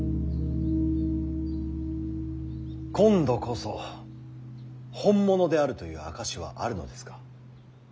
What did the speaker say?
今度こそ本物であるという証しはあるのですか？